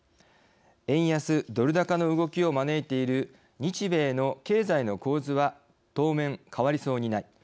円安ドル高の動きを招いている日米の経済の構図は当面変わりそうにない。